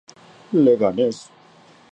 Leganés.